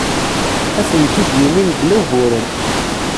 Ad tent-id-yini mebla uguren.